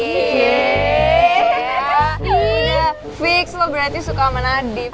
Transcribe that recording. iya fix lo berarti suka sama nadif